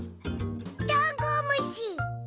ダンゴムシ！